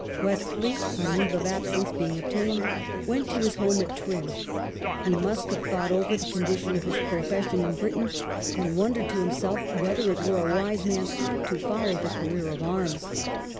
Wesley, on leave of absence being obtained, went to his home at Trim. He must have thought over the condition of his profession in Britain, and wondered to himself whether it were a wise man's part to follow the career of arms.